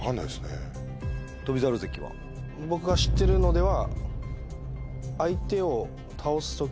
僕が知ってるのでは。